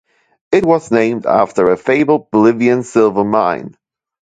It was named after a fabled Bolivian silver mine.